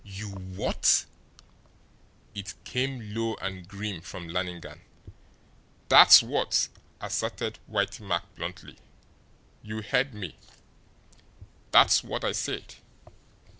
"You WHAT!" It came low and grim from Lannigan. "That's what!" asserted Whitey Mack bluntly. "You heard me! That's what I said!